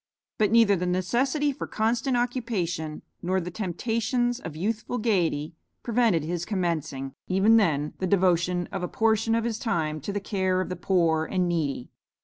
But neither the necessity for constant occupation nor the temptations of youthful gaiety, prevented his commencing, even then, the devotion of a portion of his time, to the care of the poor and needy.